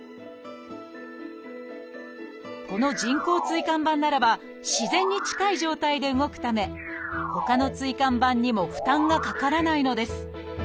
この人工椎間板ならば自然に近い状態で動くためほかの椎間板にも負担がかからないのです